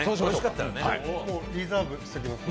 もう、リザーブしておきますので。